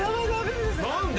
何で？